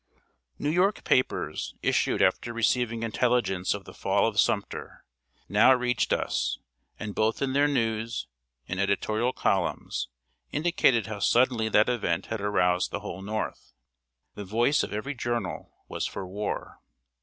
] New York papers, issued after receiving intelligence of the fall of Sumter, now reached us, and both in their news and editorial columns indicated how suddenly that event had aroused the whole North. The voice of every journal was for war.